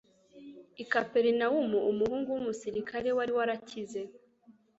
I Kaperinawumu, umuhungu w'umusirikare wari warakize